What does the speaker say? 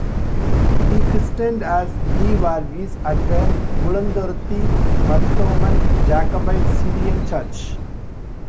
He christened as Geevargese at the Mulanthuruthy Marthoman Jacobite Syrian Church.